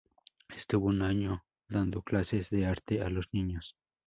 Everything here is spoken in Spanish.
Estuvo un año dando clases de Arte a los niños.